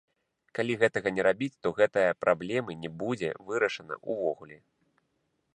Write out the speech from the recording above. Калі гэтага не рабіць, то гэтая праблемы не будзе вырашана ўвогуле.